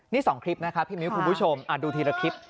นี่๒คลิปนะครับพี่มิ้วคุณผู้ชมดูทีละคลิป